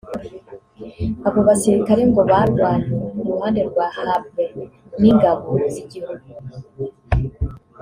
Abo basirikare ngo barwanye ku ruhande rwa Habré n’ingabo z’igihugu